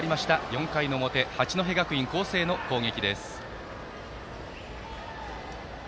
４回の表、八戸学院光星の攻撃。